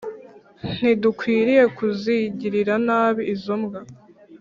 ntidukwiriye kuzigirira nabi izo mbwa